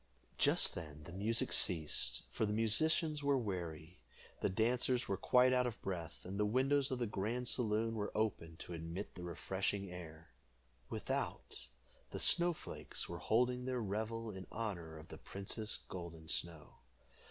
Just then the music ceased, for the musicians were weary. The dancers were quite out of breath, and the windows of the grand saloon were opened to admit the refreshing air. Without, the snow flakes were holding their revel in honor of the princess Golden Snow.